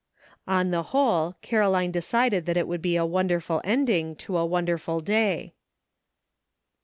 On the whole, Caroline decided that it would be a wonderful ending to a wonderful day.